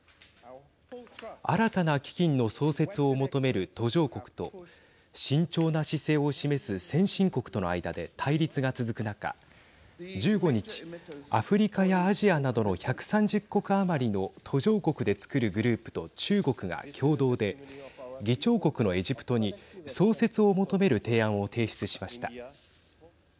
新たな基金の創設を求める途上国と慎重な姿勢を示す先進国との間で対立が続く中１５日、アフリカやアジアなどの１３０か国余りの途上国でつくるグループと中国が共同で議長国のエジプトに創設を求める提案を提出しました。